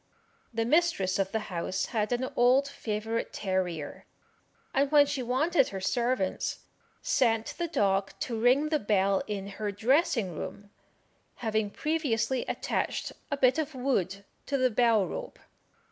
The mistress of the house had an old favourite terrier, and when she wanted her servants, sent the dog to ring the bell in her dressing room, having previously attached a bit of wood to the bell rope.